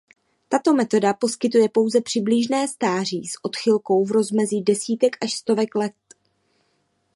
Tato metoda poskytuje pouze přibližné stáří s chybou v rozmezí desítek až stovek let.